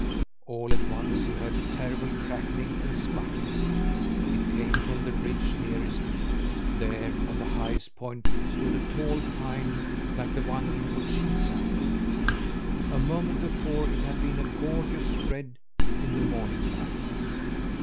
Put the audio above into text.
All at once he heard a terrible crackling and sputtering. It came from the ridge nearest him. There, on the highest point, stood a tall pine like the one in which he sat. A moment before it had been a gorgeous red in the morning light.